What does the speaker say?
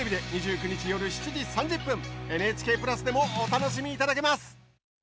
ＮＨＫプラスでもお楽しみいただけます。